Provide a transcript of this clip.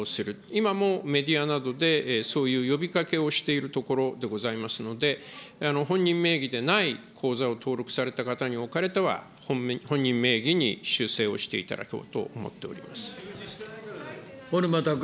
今もメディアなどで、そういう呼びかけをしているところでございますので、本人名義でない口座を登録された方におかれては、本人名義に修正をしていただこうと思っております。